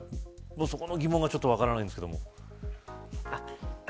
そこの疑問がちょっと分からないんですけれども。